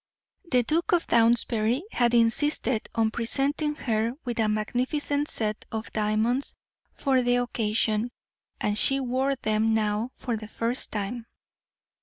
The Duke of Downsbury had insisted on presenting her with a magnificent set of diamonds for the occasion, and she wore them now for the first time.